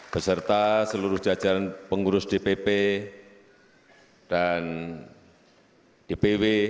beserta seluruh jajaran pengurus dpp dan dpw